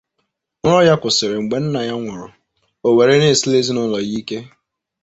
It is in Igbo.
Nrọ ya kwụsịrị mgbe nna ya nwụrụ, ọ were na-esiri ezinaụlọ ya ike.